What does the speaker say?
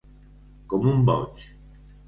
Com un boig.